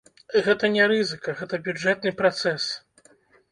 Гэта не рызыка, гэта бюджэтны працэс.